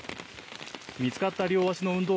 見つかった両足の運動